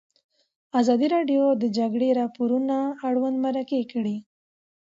ازادي راډیو د د جګړې راپورونه اړوند مرکې کړي.